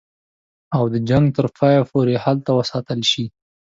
او د جنګ تر پایه پوري هلته وساتل شي.